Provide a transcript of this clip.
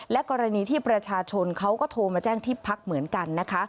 กรณีที่ประชาชนเขาก็โทรมาแจ้งที่พักเหมือนกันนะคะ